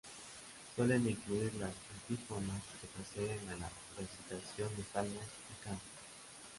Suelen incluir las antífonas que preceden a la recitación de salmos y cánticos.